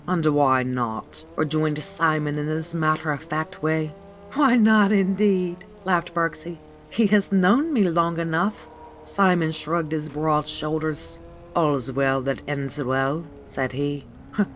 ^^And why not ?" rejoined Simon in his matter of fact way. ''Why not, indeed !" laughed Birksie. "He has known me long enough." Simon shrugged his broad shoulders. "AlFs well that ends well," said he.